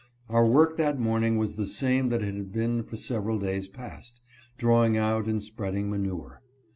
Our work that morning was the same that it had been for several days past — drawing out and spreading manure.